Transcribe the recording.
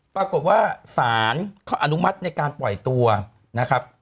ปรากฏว่าศาลเขาอนุมัติในการปล่อยตัวนะครับ